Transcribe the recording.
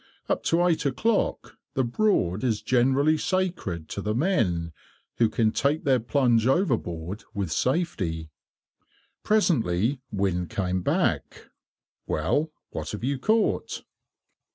Up to eight o'clock, the Broad is generally sacred to the men, who can take their plunge overboard with safety. Presently Wynne came back. "Well, what have you caught?"